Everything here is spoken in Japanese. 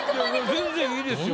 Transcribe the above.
全然いいですよ。